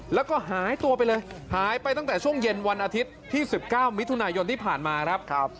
แล้วก็หายตัวไปเลยหายไปตั้งแต่ช่วงเย็นวันอาทิตย์ที่๑๙มิถุนายนที่ผ่านมาครับ